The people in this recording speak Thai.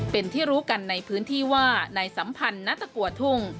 เป็นที่รู้กันในพื้นที่ว่านายสัมพันธ์ณตะกัวทุ่ง